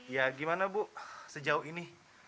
ya gimana bu sejauh ini